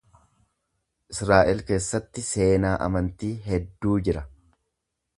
Israa’el keessatti seenaa amantii hedduu jira.